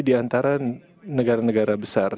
diantara negara negara besar